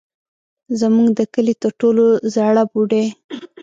زموږ د کلي تر ټولو زړه بوډۍ.